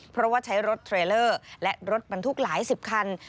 เพราะว่าใช้รถเทรลเลอร์และรถบรรทุกหลายสิบคัน